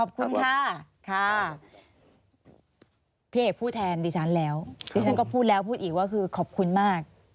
ขอบคุณค่ะค่ะพี่เอกพูดแทนดิฉันแล้วดิฉันก็พูดแล้วพูดอีกว่าคือขอบคุณมาก